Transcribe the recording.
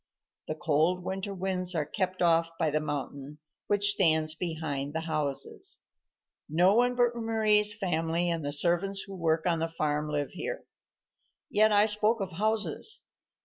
The cold winter winds are kept off by the mountain which stands behind the houses. No one but Mari's family and the servants who work on the farm live here. Yet I spoke of houses.